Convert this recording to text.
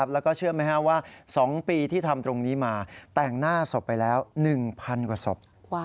แล้วก็เชื่อไหมว่า๒ปีที่ทำตรงนี้มาแต่งหน้าศพไปแล้ว๑๐๐กว่าศพ